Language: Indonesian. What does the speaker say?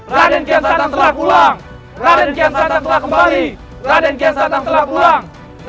raden kiansantan telah kembali